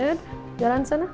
ya udah jalan sana